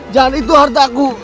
jangan itu hartaku